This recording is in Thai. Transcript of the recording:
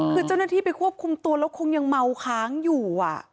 คือเจ้าหน้าที่ไปควบคุมตัวแล้วคงยังเมาค้างอยู่